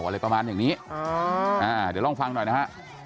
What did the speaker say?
อะไรประมาณอย่างนี้เดี๋ยวลองฟังหน่อยนะฮะ